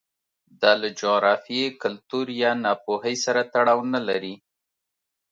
دا له جغرافیې، کلتور یا ناپوهۍ سره تړاو نه لري